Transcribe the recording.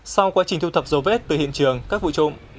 sau quá trình thu thập dấu vết từ hiện trường các vụ trộm